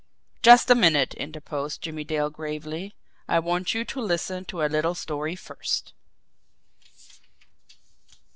"Just a minute," interposed Jimmie Dale gravely. "I want you to listen to a little story first."